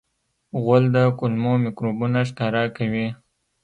غول د کولمو میکروبونه ښکاره کوي.